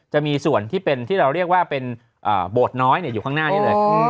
จะมีส่วนที่เป็นที่เราเรียกว่าเป็นโบสถ์น้อยอยู่ข้างหน้านี้เลย